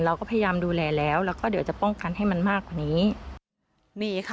เราก็พยายามดูแลแล้วแล้วก็เดี๋ยวจะป้องกันให้มันมากกว่านี้มีค่ะ